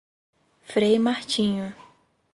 Frei Martinho